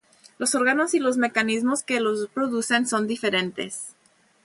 Los órganos y los mecanismos que los producen son diferentes.